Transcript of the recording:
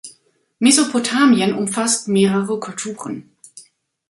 Mesopotamien umfasst mehrere Kulturen.